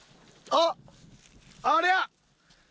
あっ！